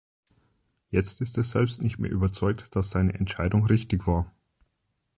Jetzt ist er selbst nicht mehr überzeugt, dass seine Entscheidung richtig war.